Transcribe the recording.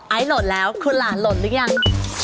ไอล์โหลดแล้วคุณหลานโหลดหรือยัง